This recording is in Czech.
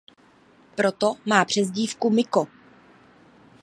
Proto má přezdívku "Mikko".